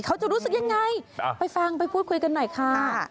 เขาจะรู้สึกยังไงไปฟังไปพูดคุยกันหน่อยค่ะ